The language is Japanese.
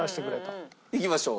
いきましょう。